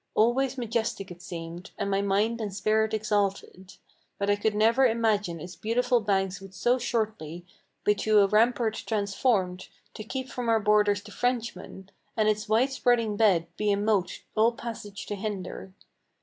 Always majestic it seemed, and my mind and spirit exalted. But I could never imagine its beautiful banks would so shortly Be to a rampart transformed, to keep from our borders the Frenchman, And its wide spreading bed be a moat all passage to hinder.